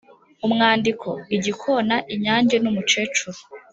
umwandiko: igikona inyange nu mukecuru